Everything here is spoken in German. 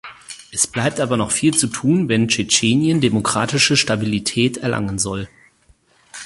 Es bleibt aber noch viel zu tun, wenn Tschetschenien demokratische Stabilität erlangen soll.